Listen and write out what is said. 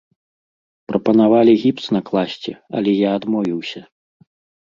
Прапанавалі гіпс накласці, але я адмовіўся.